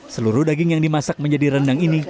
seluruh daging yang dimasak menjadi rendang ini